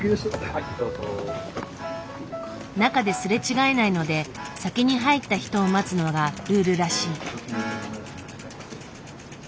中ですれ違えないので先に入った人を待つのがルールらしい。